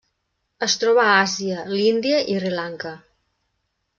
Es troba a Àsia: l'Índia i Sri Lanka.